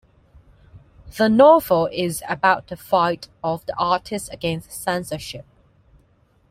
The novel is about the fight of the artists against censorship.